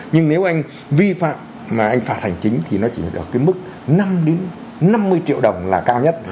nhưng nếu anh vi phạm mà anh phạt hành chính thì nó chỉ ở cái mức năm năm mươi triệu đồng là cao nhất